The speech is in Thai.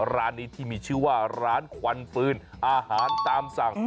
ร้านนี้ที่มีชื่อว่าร้านควันฟืนอาหารตามสั่ง